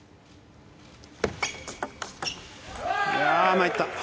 まいった。